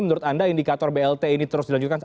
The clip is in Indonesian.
menurut anda indikator blt ini terus dilanjutkan